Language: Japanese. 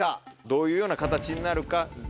どういうような形になるか？